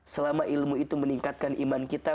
selama ilmu itu meningkatkan iman kita